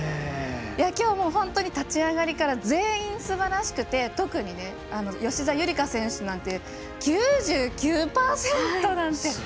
きょうも本当に立ち上がりから全員すばらしくて特に吉田夕梨花選手なんて９９％なんて。